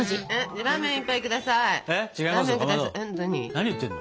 何言ってんの？